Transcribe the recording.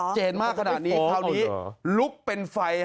เจนมากขนาดนี้คราวนี้ลุกเป็นไฟ